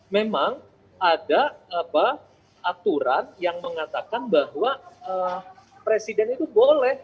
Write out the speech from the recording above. memang ada aturan yang mengatakan bahwa presiden itu boleh